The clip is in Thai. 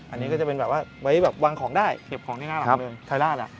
อันนี้ก็จะเป็นบางที่วางของได้เก็บของที่หน้าหลังเลย